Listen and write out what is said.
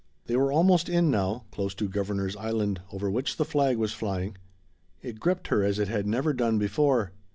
They were almost in now, close to Governor's Island, over which the flag was flying. It gripped her as it had never done before.